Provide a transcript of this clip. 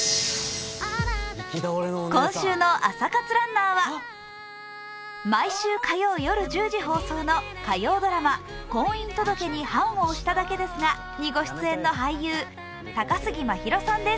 今週の朝活ランナーは毎週火曜日夜１０時放送の火曜ドラマ「婚姻届に判を捺しただけですが」の俳優、高杉真宙さんです。